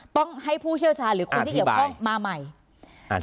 ต้องให้ผู้เชี่ยวชาญหรือคนที่เกี่ยวข้องมาใหม่